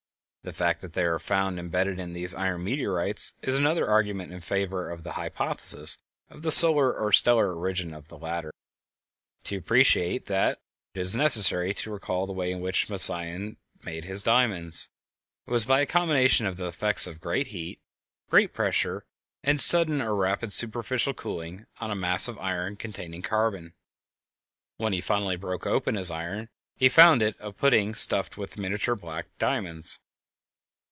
The fact that they are found embedded in these iron meteorites is another argument in favor of the hypothesis of the solar or stellar origin of the latter. To appreciate this it is necessary to recall the way in which Moissan made his diamonds. It was by a combination of the effects of great heat, great pressure, and sudden or rapid superficial cooling on a mass of iron containing carbon. When he finally broke open his iron he found it a pudding stuffed with miniature black diamonds.